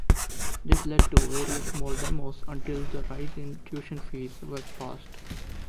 This led to various more demos until the rise in tuition fees was passed.